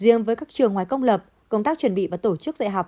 riêng với các trường ngoài công lập công tác chuẩn bị và tổ chức dạy học